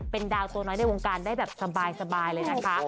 เป็นดาวตัวน้อยในวงการได้แบบสบายเลยนะคะ